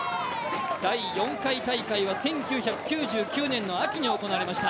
第４回大会は１９９９年の秋に行われました。